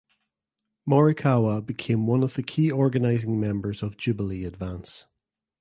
Morikawa became one of the key organizing members of Jubilee Advance.